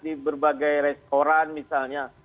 di berbagai restoran misalnya